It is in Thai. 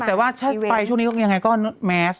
แต่ว่าถ้าไปช่วงนี้ก็ยังไงก็แมส